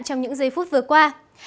trong những giây phút vừa qua